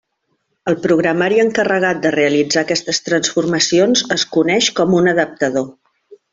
El programari encarregat de realitzar aquestes transformacions es coneix com un adaptador.